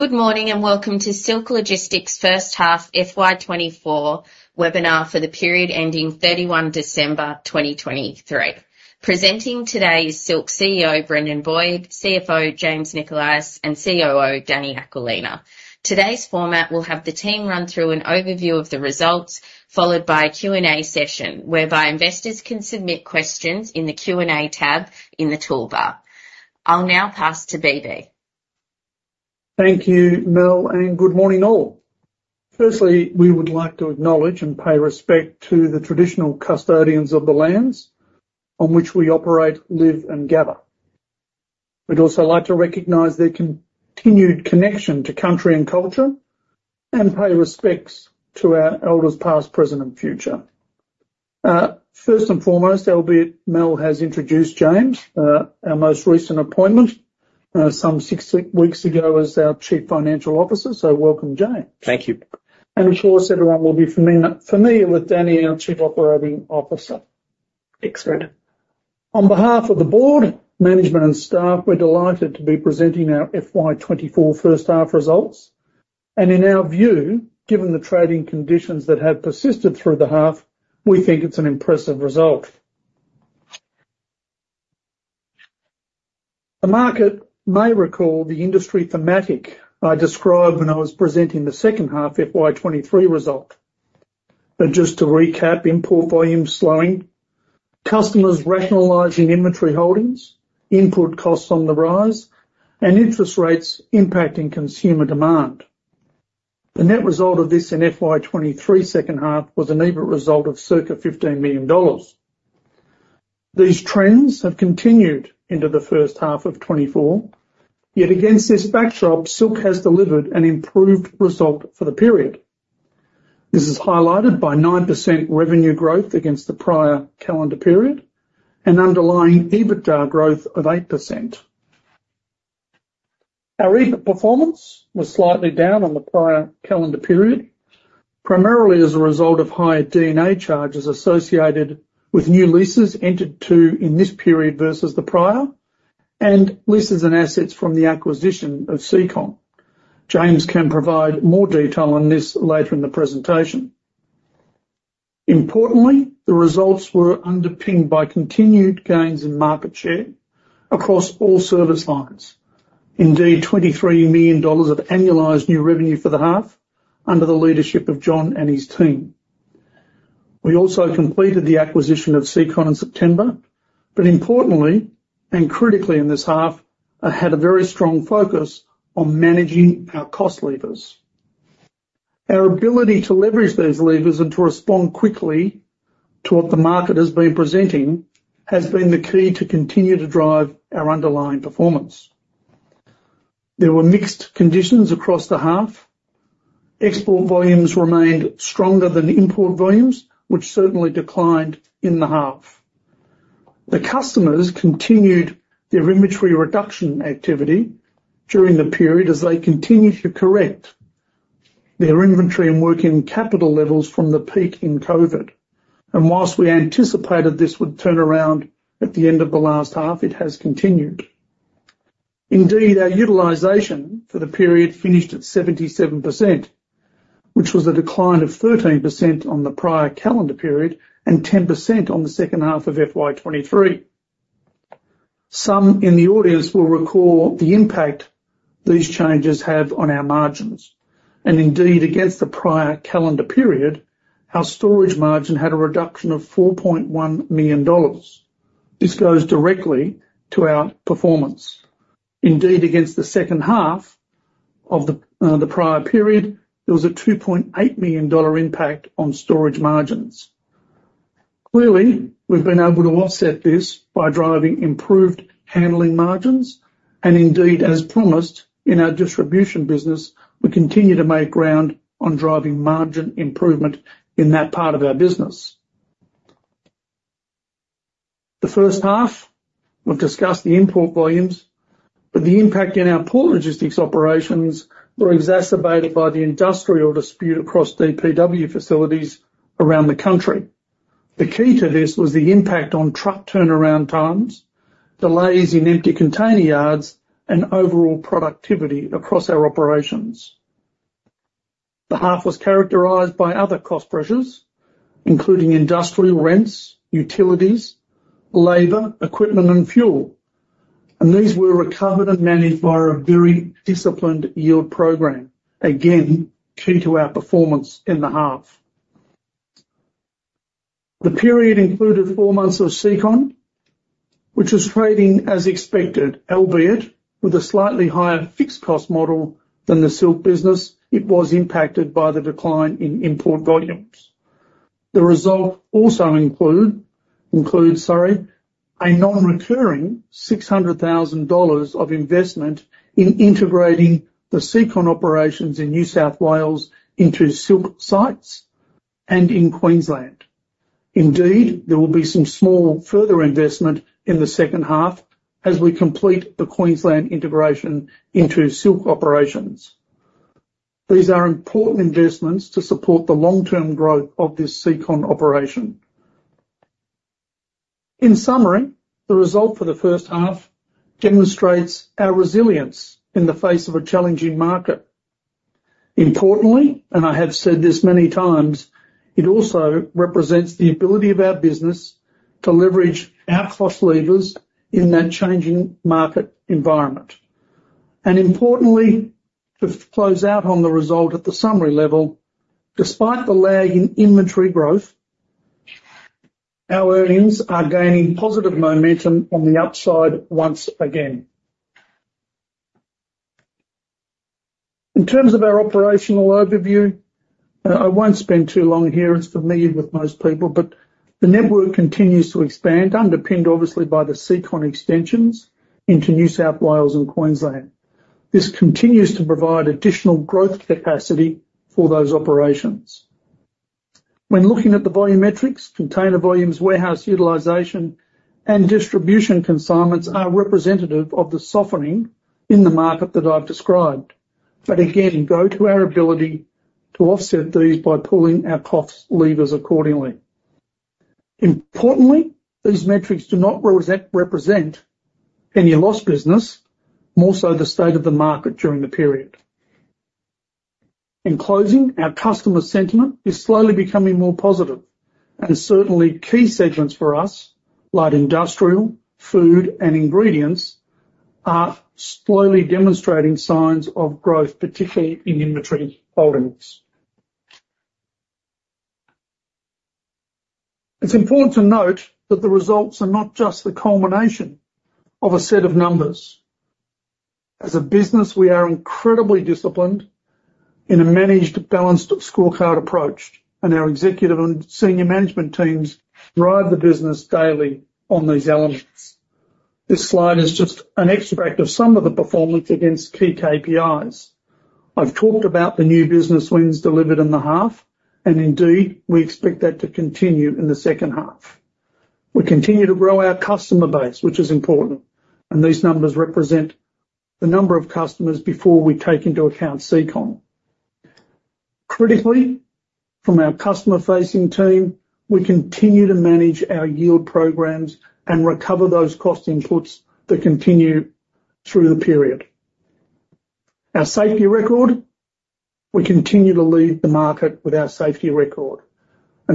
Good morning and welcome to Silk Logistics' first half FY 2024 webinar for the period ending 31 December 2023. Presenting today is Silk CEO Brendan Boyd, CFO James Nicholias, and COO Dani Aquilina. Today's format will have the team run through an overview of the results, followed by a Q&A session, whereby investors can submit questions in the Q&A tab in the toolbar. I'll now pass to BB. Thank you, Mel, and good morning, all. Firstly, we would like to acknowledge and pay respect to the traditional custodians of the lands on which we operate, live, and gather. We'd also like to recognize their continued connection to country and culture and pay respects to our elders past, present, and future. First and foremost, albeit Mel has introduced James, our most recent appointment, some six weeks ago as our Chief Financial Officer, so welcome, James. Thank you. Of course, everyone will be familiar with Dani, our Chief Operating Officer. Excellent. On behalf of the board, management, and staff, we're delighted to be presenting our FY 2024 first-half results. In our view, given the trading conditions that have persisted through the half, we think it's an impressive result. The market may recall the industry thematic I described when I was presenting the second half FY 2023 result. Just to recap, import volume slowing, customers rationalizing inventory holdings, input costs on the rise, and interest rates impacting consumer demand. The net result of this in FY 2023 second half was a negligible result of circa 15 million dollars. These trends have continued into the first half of 2024, yet against this backdrop, Silk has delivered an improved result for the period. This is highlighted by 9% revenue growth against the prior calendar period and underlying EBITDA growth of 8%. Our EBIT performance was slightly down on the prior calendar period, primarily as a result of higher D&A charges associated with new leases entered into in this period versus the prior, and leases and assets from the acquisition of Secon. James can provide more detail on this later in the presentation. Importantly, the results were underpinned by continued gains in market share across all service lines; indeed, 23 million dollars of annualized new revenue for the half under the leadership of John and his team. We also completed the acquisition of Secon in September, but importantly and critically in this half, had a very strong focus on managing our cost levers. Our ability to leverage those levers and to respond quickly to what the market has been presenting has been the key to continue to drive our underlying performance. There were mixed conditions across the half. Export volumes remained stronger than import volumes, which certainly declined in the half. The customers continued their inventory reduction activity during the period as they continued to correct their inventory and working capital levels from the peak in COVID. While we anticipated this would turn around at the end of the last half, it has continued. Indeed, our utilization for the period finished at 77%, which was a decline of 13% on the prior calendar period and 10% on the second half of FY 2023. Some in the audience will recall the impact these changes have on our margins. Indeed, against the prior calendar period, our storage margin had a reduction of 4.1 million dollars. This goes directly to our performance. Indeed, against the second half of the prior period, there was a 2.8 million dollar impact on storage margins. Clearly, we've been able to offset this by driving improved handling margins. Indeed, as promised in our distribution business, we continue to make ground on driving margin improvement in that part of our business. The first half, we've discussed the import volumes, but the impact in our port logistics operations were exacerbated by the industrial dispute across DPW facilities around the country. The key to this was the impact on truck turnaround times, delays in empty container yards, and overall productivity across our operations. The half was characterized by other cost pressures, including industrial rents, utilities, labor, equipment, and fuel. These were recovered and managed via a very disciplined yield program, again, key to our performance in the half. The period included four months of Secon, which was trading as expected, albeit with a slightly higher fixed cost model than the Silk business. It was impacted by the decline in import volumes. The result also includes, sorry, a non-recurring 600,000 dollars of investment in integrating the Secon operations in New South Wales into Silk sites and in Queensland. Indeed, there will be some small further investment in the second half as we complete the Queensland integration into Silk operations. These are important investments to support the long-term growth of this Secon operation. In summary, the result for the first half demonstrates our resilience in the face of a challenging market. Importantly, and I have said this many times, it also represents the ability of our business to leverage our cost levers in that changing market environment. Importantly, to close out on the result at the summary level, despite the lag in inventory growth, our earnings are gaining positive momentum on the upside once again. In terms of our operational overview, I won't spend too long here. It's familiar with most people, but the network continues to expand, underpinned, obviously, by the Secon extensions into New South Wales and Queensland. This continues to provide additional growth capacity for those operations. When looking at the volume metrics, container volumes, warehouse utilization, and distribution consignments are representative of the softening in the market that I've described. But again, go to our ability to offset these by pulling our cost levers accordingly. Importantly, these metrics do not represent any loss business, more so the state of the market during the period. In closing, our customer sentiment is slowly becoming more positive. And certainly, key segments for us, like industrial, food, and ingredients, are slowly demonstrating signs of growth, particularly in inventory holdings. It's important to note that the results are not just the culmination of a set of numbers. As a business, we are incredibly disciplined in a managed, balanced scorecard approach, and our executive and senior management teams drive the business daily on these elements. This slide is just an extract of some of the performance against key KPIs. I've talked about the new business wins delivered in the half, and indeed, we expect that to continue in the second half. We continue to grow our customer base, which is important, and these numbers represent the number of customers before we take into account Secon. Critically, from our customer-facing team, we continue to manage our yield programs and recover those cost inputs that continue through the period. Our safety record, we continue to lead the market with our safety record.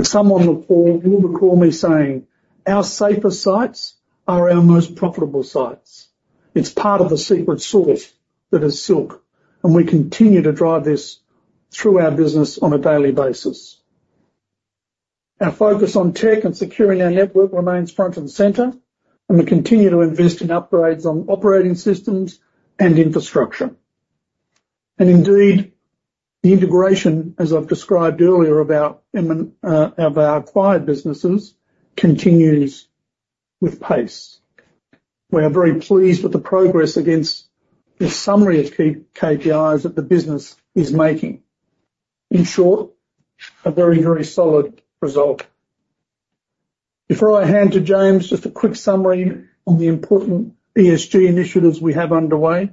Someone will recall me saying, "Our safer sites are our most profitable sites." It's part of the secret sauce that is Silk, and we continue to drive this through our business on a daily basis. Our focus on tech and securing our network remains front and center, and we continue to invest in upgrades on operating systems and infrastructure. And indeed, the integration, as I've described earlier about our acquired businesses, continues with pace. We are very pleased with the progress against the summary of key KPIs that the business is making. In short, a very, very solid result. Before I hand to James, just a quick summary on the important ESG initiatives we have underway.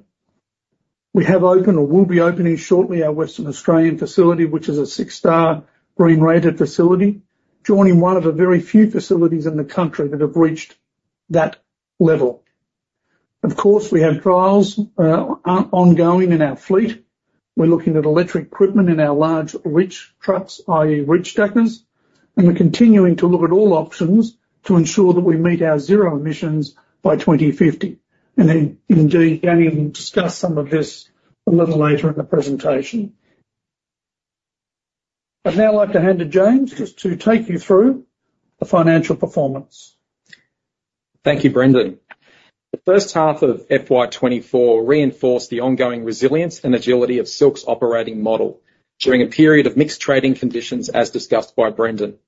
We have opened or will be opening shortly our Western Australian facility, which is a six-star green-rated facility, joining one of a very few facilities in the country that have reached that level. Of course, we have trials ongoing in our fleet. We're looking at electric equipment in our large reach trucks, i.e., reach stackers, and we're continuing to look at all options to ensure that we meet our zero emissions by 2050. Indeed, Dani will discuss some of this a little later in the presentation. I'd now like to hand to James just to take you through the financial performance. Thank you, Brendan. The first half of FY 2024 reinforced the ongoing resilience and agility of Silk's operating model during a period of mixed trading conditions, as discussed by Brendan.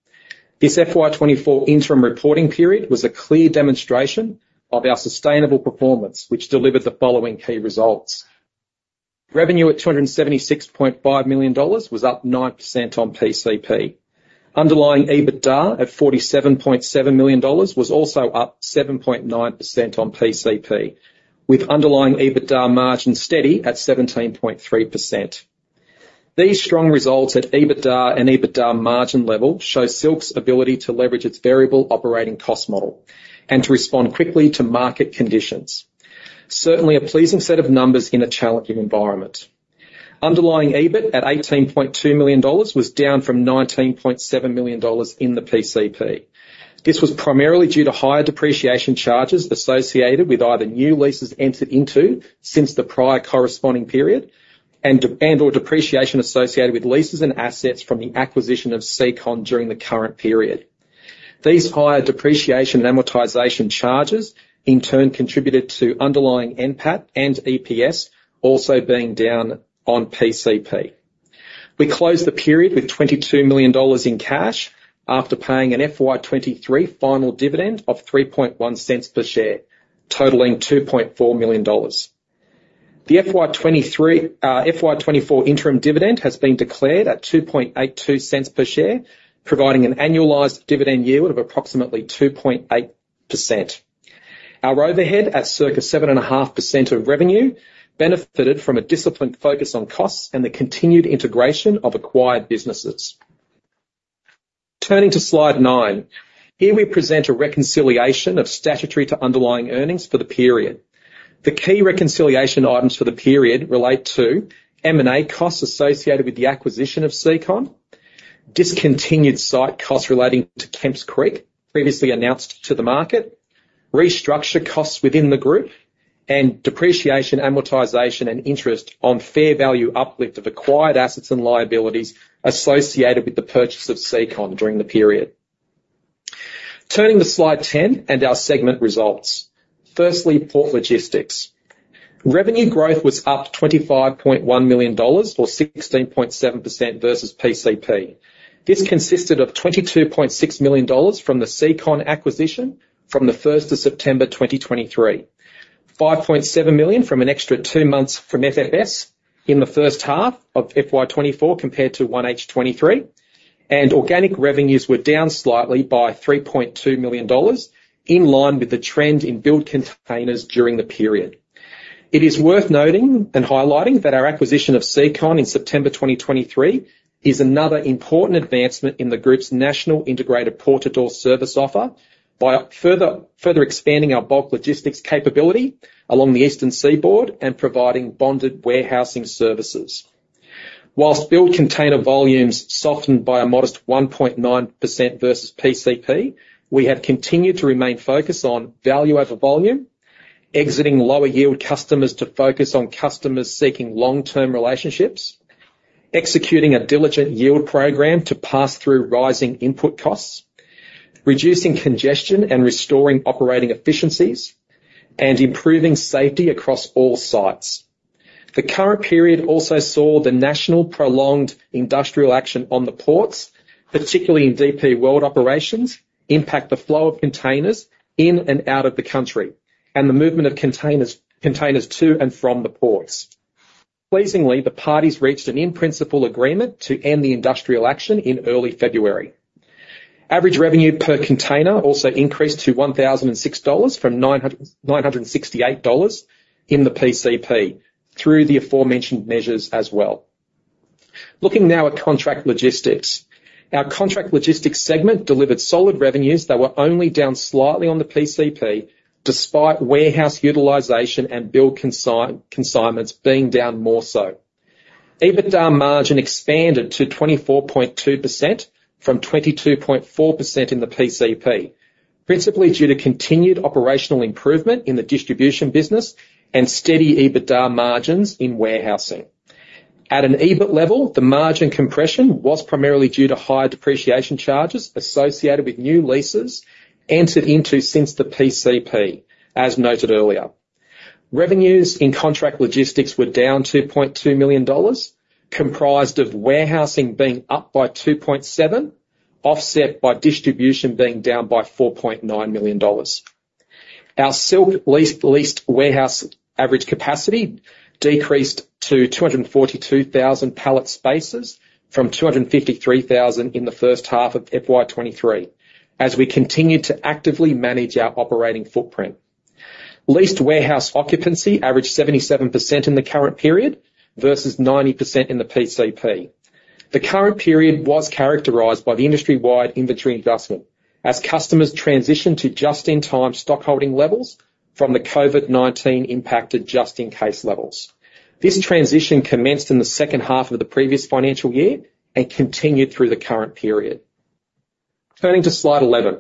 This FY 2024 interim reporting period was a clear demonstration of our sustainable performance, which delivered the following key results. Revenue at AUD 276.5 million was up 9% on PCP. Underlying EBITDA at AUD 47.7 million was also up 7.9% on PCP, with underlying EBITDA margin steady at 17.3%. These strong results at EBITDA and EBITDA margin level show Silk's ability to leverage its variable operating cost model and to respond quickly to market conditions, certainly a pleasing set of numbers in a challenging environment. Underlying EBIT at 18.2 million dollars was down from 19.7 million dollars in the PCP. This was primarily due to higher depreciation charges associated with either new leases entered into since the prior corresponding period and/or depreciation associated with leases and assets from the acquisition of Secon during the current period. These higher depreciation and amortization charges, in turn, contributed to underlying NPAT and EPS also being down on PCP. We closed the period with AUD 22 million in cash after paying an FY 2023 final dividend of 0.031 per share, totaling AUD 2.4 million. The FY 2024 interim dividend has been declared at 0.0282 per share, providing an annualized dividend yield of approximately 2.8%. Our overhead at circa 7.5% of revenue benefited from a disciplined focus on costs and the continued integration of acquired businesses. Turning to slide 9, here we present a reconciliation of statutory to underlying earnings for the period. The key reconciliation items for the period relate to M&A costs associated with the acquisition of Secon, discontinued site costs relating to Kemps Creek previously announced to the market, restructure costs within the group, and depreciation, amortization, and interest on fair value uplift of acquired assets and liabilities associated with the purchase of Secon during the period. Turning to slide 10 and our segment results. Firstly, port logistics. Revenue growth was up 25.1 million dollars or 16.7% versus PCP. This consisted of 22.6 million dollars from the Secon acquisition from the 1st of September 2023, 5.7 million from an extra two months from FFS in the first half of FY 2024 compared to 1H23, and organic revenues were down slightly by 3.2 million dollars in line with the trend in build containers during the period. It is worth noting and highlighting that our acquisition of Secon in September 2023 is another important advancement in the group's national integrated port-to-door service offer by further expanding our bulk logistics capability along the eastern seaboard and providing bonded warehousing services. While bulk container volumes softened by a modest 1.9% versus PCP, we have continued to remain focused on value over volume, exiting lower yield customers to focus on customers seeking long-term relationships, executing a diligent yield program to pass through rising input costs, reducing congestion and restoring operating efficiencies, and improving safety across all sites. The current period also saw the national prolonged industrial action on the ports, particularly in DP World operations, impact the flow of containers in and out of the country and the movement of containers to and from the ports. Pleasingly, the parties reached an in-principle agreement to end the industrial action in early February. Average revenue per container also increased to 1,006 dollars from 968 dollars in the PCP through the aforementioned measures as well. Looking now at contract logistics, our contract logistics segment delivered solid revenues that were only down slightly on the PCP despite warehouse utilization and bulk consignments being down more so. EBITDA margin expanded to 24.2% from 22.4% in the PCP, principally due to continued operational improvement in the distribution business and steady EBITDA margins in warehousing. At an EBIT level, the margin compression was primarily due to higher depreciation charges associated with new leases entered into since the PCP, as noted earlier. Revenues in contract logistics were down 2.2 million dollars, comprised of warehousing being up by 2.7%, offset by distribution being down by 4.9 million dollars. Our Silk leased warehouse average capacity decreased to 242,000 pallet spaces from 253,000 in the first half of FY 2023 as we continued to actively manage our operating footprint. Leased warehouse occupancy averaged 77% in the current period versus 90% in the PCP. The current period was characterized by the industry-wide inventory investment as customers transitioned to just-in-time stockholding levels from the COVID-19-impacted just-in-case levels. This transition commenced in the second half of the previous financial year and continued through the current period. Turning to slide 11,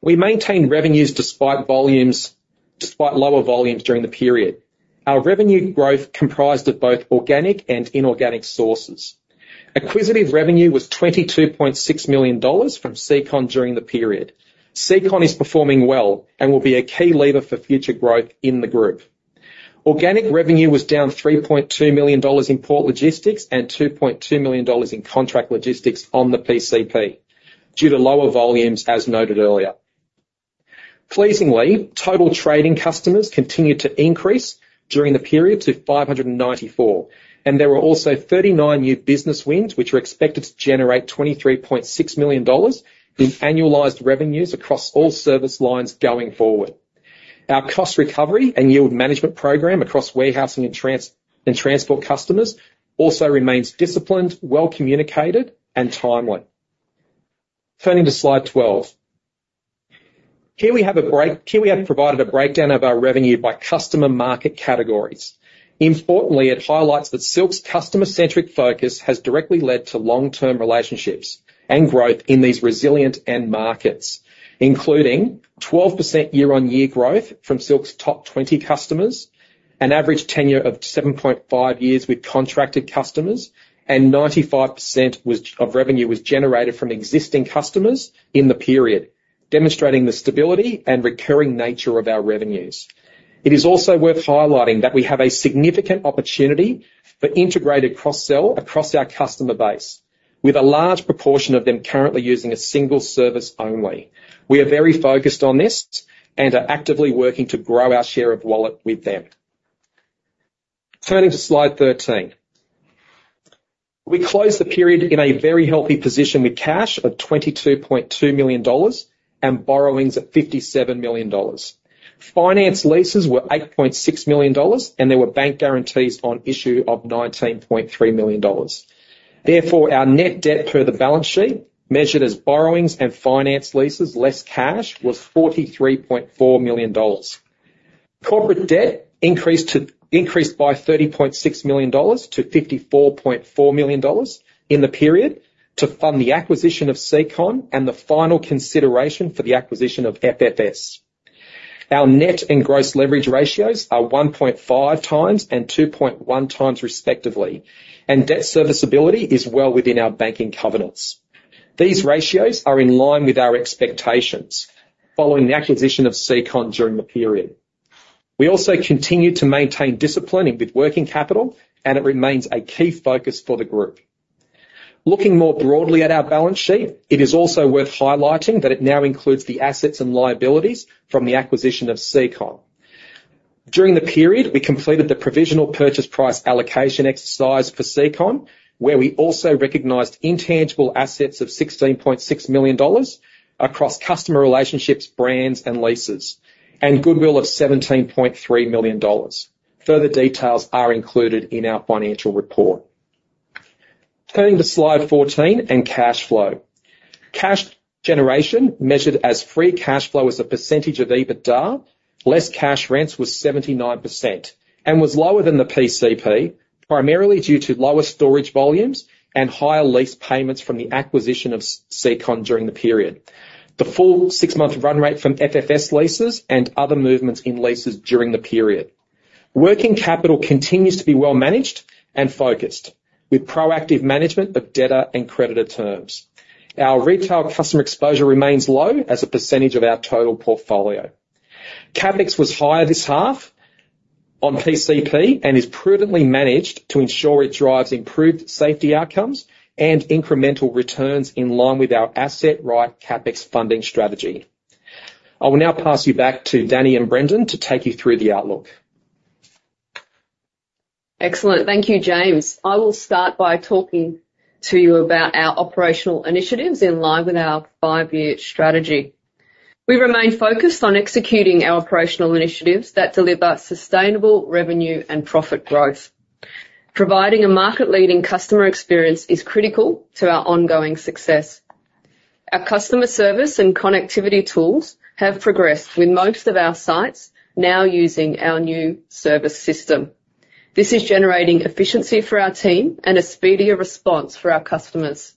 we maintained revenues despite lower volumes during the period. Our revenue growth comprised of both organic and inorganic sources. Acquisitive revenue was 22.6 million dollars from Secon during the period. Secon is performing well and will be a key lever for future growth in the group. Organic revenue was down 3.2 million dollars in port logistics and 2.2 million dollars in contract logistics on the PCP due to lower volumes, as noted earlier. Pleasingly, total trading customers continued to increase during the period to 594, and there were also 39 new business wins which were expected to generate 23.6 million dollars in annualized revenues across all service lines going forward. Our cost recovery and yield management program across warehousing and transport customers also remains disciplined, well-communicated, and timely. Turning to slide 12, here we have provided a breakdown of our revenue by customer market categories. Importantly, it highlights that Silk's customer-centric focus has directly led to long-term relationships and growth in these resilient markets, including 12% year-on-year growth from Silk's top 20 customers, an average tenure of 7.5 years with contracted customers, and 95% of revenue was generated from existing customers in the period, demonstrating the stability and recurring nature of our revenues. It is also worth highlighting that we have a significant opportunity for integrated cross-sell across our customer base, with a large proportion of them currently using a single service only. We are very focused on this and are actively working to grow our share of wallet with them. Turning to slide 13, we closed the period in a very healthy position with cash of 22.2 million dollars and borrowings at 57 million dollars. Finance leases were 8.6 million dollars, and there were bank guarantees on issue of 19.3 million dollars. Therefore, our net debt per the balance sheet, measured as borrowings and finance leases less cash, was 43.4 million dollars. Corporate debt increased by 30.6 million dollars to 54.4 million dollars in the period to fund the acquisition of Secon and the final consideration for the acquisition of FFS. Our net and gross leverage ratios are 1.5x and 2.1x, respectively, and debt serviceability is well within our banking covenants. These ratios are in line with our expectations following the acquisition of Secon during the period. We also continue to maintain discipline with working capital, and it remains a key focus for the group. Looking more broadly at our balance sheet, it is also worth highlighting that it now includes the assets and liabilities from the acquisition of Secon. During the period, we completed the provisional purchase price allocation exercise for Secon, where we also recognized intangible assets of 16.6 million dollars across customer relationships, brands, and leases, and goodwill of 17.3 million dollars. Further details are included in our financial report. Turning to slide 14 and cash flow. Cash generation, measured as free cash flow as a percentage of EBITDA, less cash rents was 79% and was lower than the PCP, primarily due to lower storage volumes and higher lease payments from the acquisition of Secon during the period, the full six-month run rate from FFS leases and other movements in leases during the period. Working capital continues to be well-managed and focused with proactive management of debtor and creditor terms. Our retail customer exposure remains low as a percentage of our total portfolio. CapEx was higher this half on PCP and is prudently managed to ensure it drives improved safety outcomes and incremental returns in line with our asset-right CapEx funding strategy. I will now pass you back to Dani and Brendan to take you through the outlook. Excellent. Thank you, James. I will start by talking to you about our operational initiatives in line with our five-year strategy. We remain focused on executing our operational initiatives that deliver sustainable revenue and profit growth. Providing a market-leading customer experience is critical to our ongoing success. Our customer service and connectivity tools have progressed with most of our sites now using our new service system. This is generating efficiency for our team and a speedier response for our customers.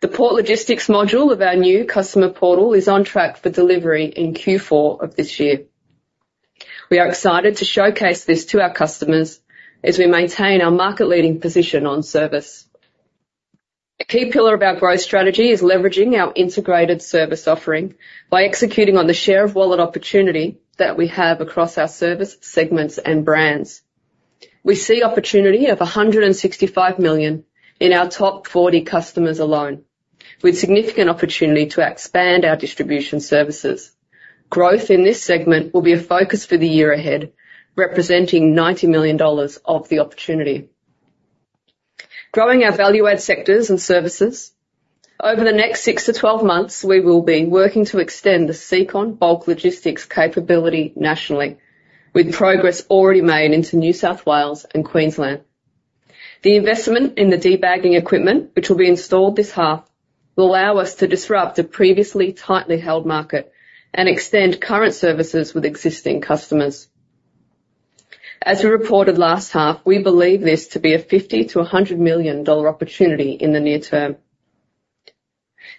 The port logistics module of our new customer portal is on track for delivery in Q4 of this year. We are excited to showcase this to our customers as we maintain our market-leading position on service. A key pillar of our growth strategy is leveraging our integrated service offering by executing on the share of wallet opportunity that we have across our service segments and brands. We see opportunity of 165 million in our top 40 customers alone, with significant opportunity to expand our distribution services. Growth in this segment will be a focus for the year ahead, representing 90 million dollars of the opportunity. Growing our value-added sectors and services, over the next 6 to 12 months, we will be working to extend the Secon bulk logistics capability nationally, with progress already made into New South Wales and Queensland. The investment in the debagging equipment, which will be installed this half, will allow us to disrupt a previously tightly held market and extend current services with existing customers. As we reported last half, we believe this to be a 50 million-100 million dollar opportunity in the near term.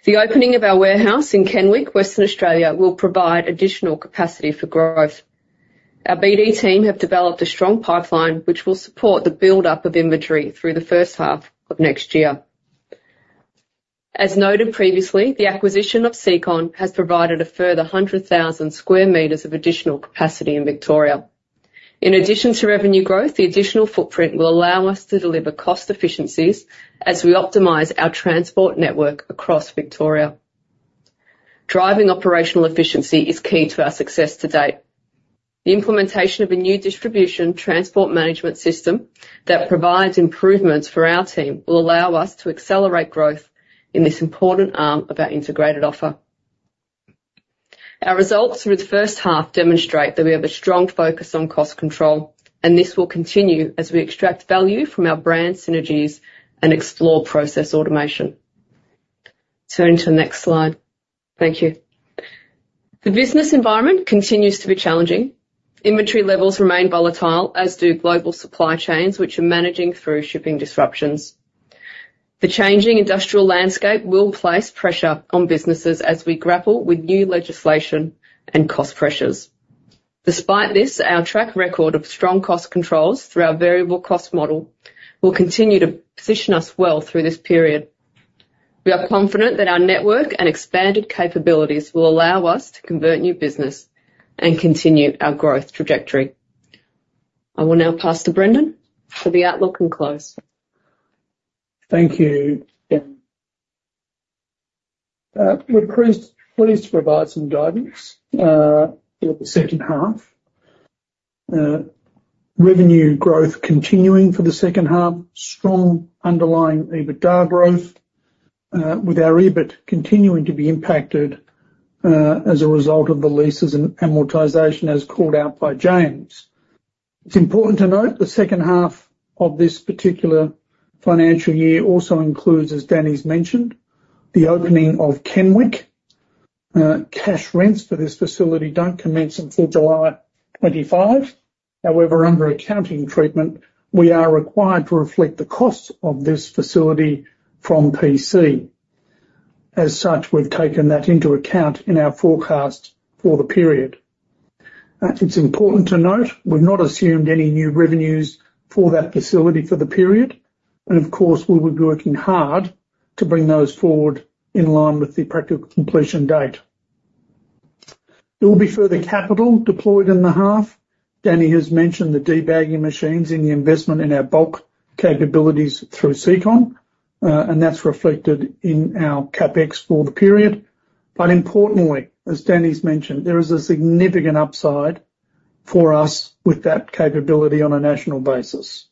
The opening of our warehouse in Kenwick, Western Australia, will provide additional capacity for growth. Our BD team have developed a strong pipeline which will support the buildup of inventory through the first half of next year. As noted previously, the acquisition of Secon has provided a further 100,000 square meters of additional capacity in Victoria. In addition to revenue growth, the additional footprint will allow us to deliver cost efficiencies as we optimize our transport network across Victoria. Driving operational efficiency is key to our success to date. The implementation of a new distribution transport management system that provides improvements for our team will allow us to accelerate growth in this important arm of our integrated offer. Our results through the first half demonstrate that we have a strong focus on cost control, and this will continue as we extract value from our brand synergies and explore process automation. Turning to the next slide. Thank you. The business environment continues to be challenging. Inventory levels remain volatile, as do global supply chains, which are managing through shipping disruptions. The changing industrial landscape will place pressure on businesses as we grapple with new legislation and cost pressures. Despite this, our track record of strong cost controls through our variable cost model will continue to position us well through this period. We are confident that our network and expanded capabilities will allow us to convert new business and continue our growth trajectory. I will now pass to Brendan for the outlook and close. Thank you, Dani. We're pleased to provide some guidance for the second half. Revenue growth continuing for the second half, strong underlying EBITDA growth, with our EBIT continuing to be impacted as a result of the leases and amortization, as called out by James. It's important to note the second half of this particular financial year also includes, as Dani mentioned, the opening of Kenwick. Cash rents for this facility don't commence until July 25. However, under accounting treatment, we are required to reflect the costs of this facility from PC. As such, we've taken that into account in our forecast for the period. It's important to note we've not assumed any new revenues for that facility for the period, and of course, we will be working hard to bring those forward in line with the practical completion date. There will be further capital deployed in the half. Dani has mentioned the debagging machines and the investment in our bulk capabilities through Secon, and that's reflected in our CapEx for the period. But importantly, as Dani mentioned, there is a significant upside for us with that capability on a national basis.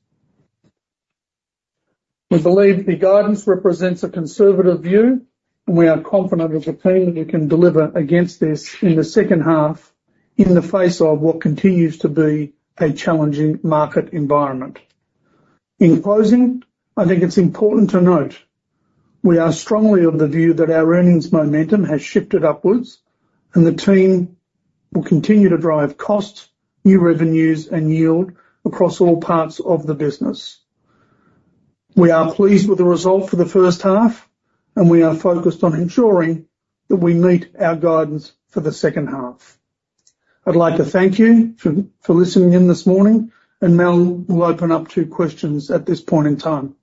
We believe the guidance represents a conservative view, and we are confident as a team that we can deliver against this in the second half in the face of what continues to be a challenging market environment. In closing, I think it's important to note we are strongly of the view that our earnings momentum has shifted upwards, and the team will continue to drive costs, new revenues, and yield across all parts of the business. We are pleased with the result for the first half, and we are focused on ensuring that we meet our guidance for the second half. I'd like to thank you for listening in this morning, and Mel will open up to questions at this point in time.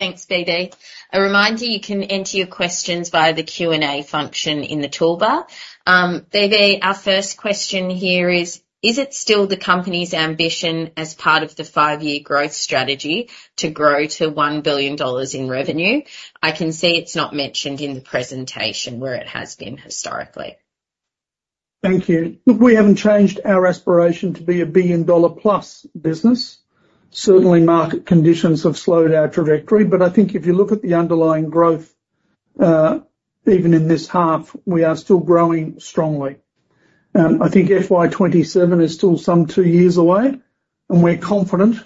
Thanks, BB. A reminder, you can enter your questions via the Q&A function in the toolbar. BB, our first question here is, is it still the company's ambition as part of the five-year growth strategy to grow to 1 billion dollars in revenue? I can see it's not mentioned in the presentation where it has been historically. Thank you. Look, we haven't changed our aspiration to be a billion-dollar-plus business. Certainly, market conditions have slowed our trajectory, but I think if you look at the underlying growth, even in this half, we are still growing strongly. I think FY 2027 is still some two years away, and we're confident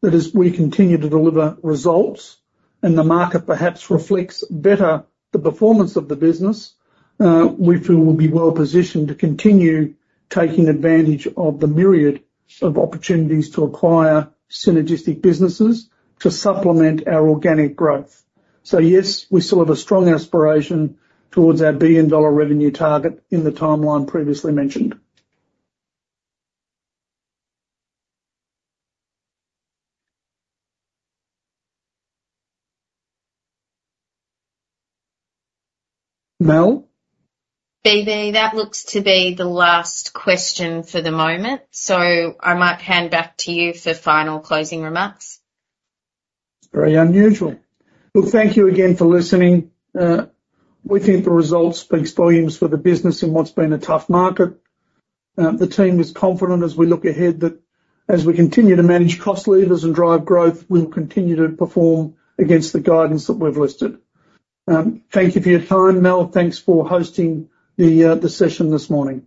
that as we continue to deliver results and the market perhaps reflects better the performance of the business, we feel we'll be well-positioned to continue taking advantage of the myriad of opportunities to acquire synergistic businesses to supplement our organic growth. So yes, we still have a strong aspiration towards our billion-dollar revenue target in the timeline previously mentioned. Mel? B.B., that looks to be the last question for the moment, so I might hand back to you for final closing remarks. Very unusual. Look, thank you again for listening. We think the results speak volumes for the business in what's been a tough market. The team is confident as we look ahead that as we continue to manage cost levers and drive growth, we will continue to perform against the guidance that we've listed. Thank you for your time, Mel. Thanks for hosting the session this morning.